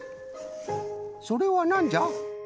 それはなんじゃ？